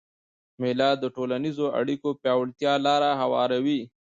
مېله د ټولنیزو اړیکو پیاوړتیا ته لاره هواروي.